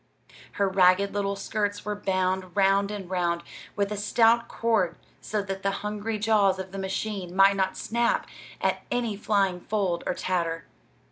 Her ragged little skirts were bound round and round with a stout cord so that the hungry jaws of the machine might not snap at any flying fold or tatter.